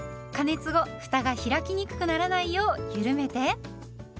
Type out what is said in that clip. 加熱後ふたが開きにくくならないようゆるめて。